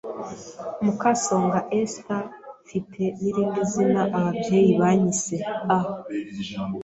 Mukasonga Ester mfite n’ irindi zina ababyeyi banyise a